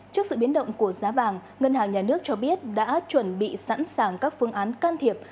trước sự biến động của giá vàng ngân hàng nhà nước cho biết đã chuẩn bị sẵn sàng các phương án can thiệp